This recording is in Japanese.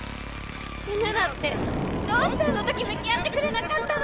・死ぬなってどうしてあのとき向き合ってくれなかったの？